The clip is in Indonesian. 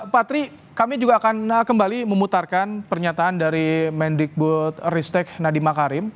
patry kami juga akan kembali memutarkan pernyataan dari mendrikbud ristek nadima karim